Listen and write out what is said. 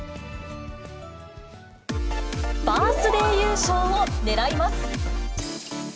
バースデー優勝をねらいます。